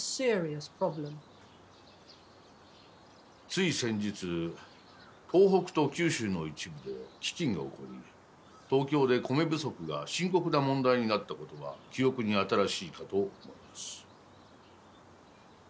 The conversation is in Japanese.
つい先日東北と九州の一部で飢きんが起こり東京で米不足が深刻な問題になった事は記憶に新しいかと思います。